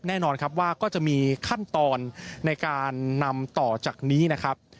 แน่นอนครับว่าก็จะมีขั้นตอนในการนำต่อจากนี้นะครับ